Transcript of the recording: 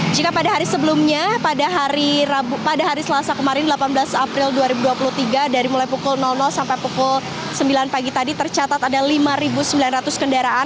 jika pada hari sebelumnya pada hari selasa kemarin delapan belas april dua ribu dua puluh tiga dari mulai pukul sampai pukul sembilan pagi tadi tercatat ada lima sembilan ratus kendaraan